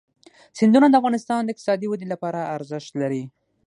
سیندونه د افغانستان د اقتصادي ودې لپاره ارزښت لري.